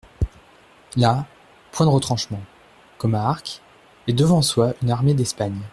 Là, point de retranchements, comme à Arques, et devant soi une armée d'Espagne.